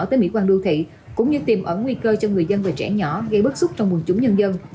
tới mỹ quan đô thị cũng như tìm ẩn nguy cơ cho người dân và trẻ nhỏ gây bức xúc trong quần chúng nhân dân